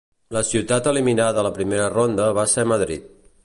La ciutat eliminada a la primera ronda va ser Madrid.